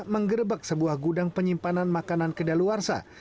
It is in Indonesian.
menggerebek sebuah gudang penyimpanan makanan ke daluarsa